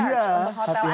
untuk hotel aja